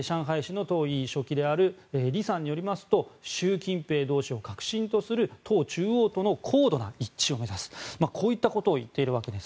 更に上海市の党委員の書記であるリさんによりますと習近平同志を核心とする党中央との高度の一致を目指すといっている。